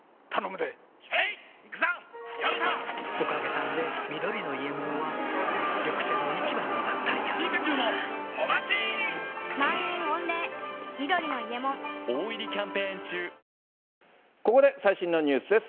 さらに、ここで最新のニュースです。